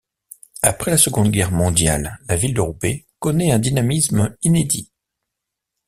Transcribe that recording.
Après la Seconde Guerre mondiale, la ville de Roubaix connaît un dynamisme inédit.